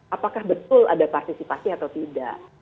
apakah betul ada partisipasi atau tidak